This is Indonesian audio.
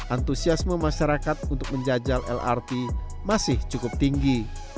antusiasme masyarakat untuk menjajal lrt masih cukup tinggi